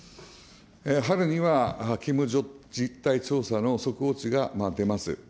春には、勤務実態調査の速報値が出ます。